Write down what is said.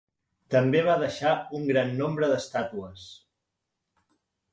També va deixar un gran nombre d'estàtues.